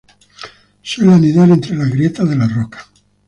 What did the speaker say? Suele anidar entre las grietas de las rocas.